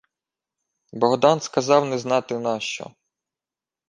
Богдан сказав не знати нащо: